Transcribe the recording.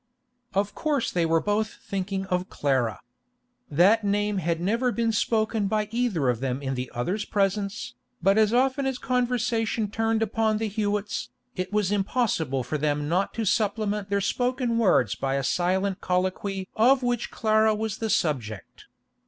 Of course they were both thinking of Clara. That name had never been spoken by either of them in the other's presence, but as often as conversation turned upon the Hewetts, it was impossible for them not to supplement their spoken words by a silent colloquy of which Clara was the subject.